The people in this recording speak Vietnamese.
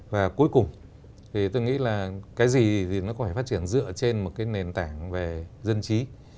và cuối cùng thì tôi nghĩ là cái gì thì nó có thể phát triển dựa trên một cái nền tảng về dân trí